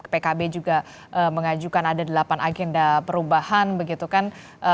pkb juga mengajukan ada delapan agenda perubahan begitu kan